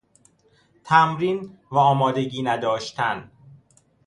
تمرین و آمادگی نداشتن